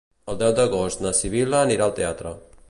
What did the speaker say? El deu d'agost na Sibil·la anirà al teatre.